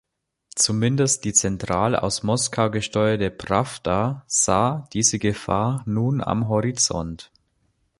Zumindest die zentral aus Moskau gesteuerte Pravda sah diese Gefahr nun am Horizont.